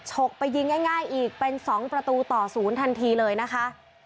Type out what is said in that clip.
กไปยิงง่ายอีกเป็น๒ประตูต่อ๐ทันทีเลยนะคะ